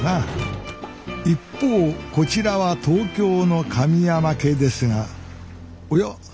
一方こちらは東京の神山家ですがおや？